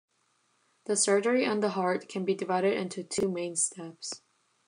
The surgery on the heart can be divided into two main steps.